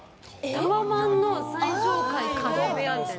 タワマンの最上階角部屋みたいな。